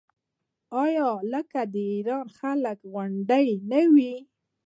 آیا لکه د ایران خلکو غوندې نه وي؟